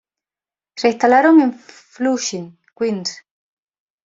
Se instalaron en Flushing, Queens.